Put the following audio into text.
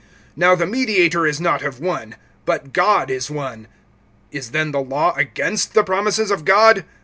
(20)Now the mediator is not of one; but God is one. (21)Is then the law against the promises of God?